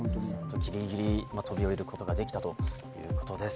ギリギリ飛び降りることができたということです。